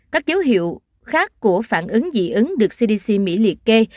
các dấu hiệu khác của phản ứng dị ứng được cdc mỹ liệt kê